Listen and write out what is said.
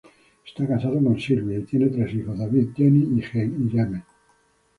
Está casado con Sylvia, y tiene tres hijos: David, Jenny y James.